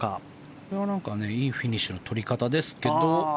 これはいいフィニッシュの取り方ですけど。